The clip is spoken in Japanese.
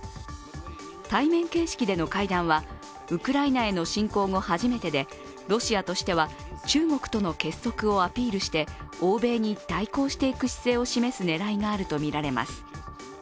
対面形式での会談はウクライナへの侵攻後初めてでロシアとしては中国との結束をアピールして欧米に対抗していく姿勢を示す狙いがあるとみられます。